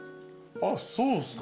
あっそうっすか。